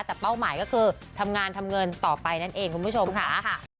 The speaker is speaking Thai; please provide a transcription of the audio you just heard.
แต่เป้าหมายก็คือทำงานทำเงินต่อไปนั่นเองคุณผู้ชมค่ะ